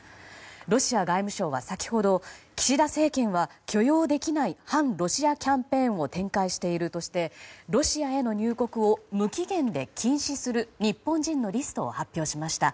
ロシア外務省は先ほど岸田政権は許容できない反ロシアキャンペーンを展開しているとしてロシアへの入国を無期限で禁止する日本人のリストを発表しました。